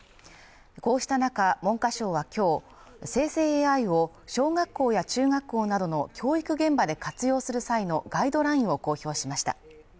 こうした中、文科省は今日、生成ＡＩを小学校や中学校などの教育現場で活用する際のガイドラインを公表しました。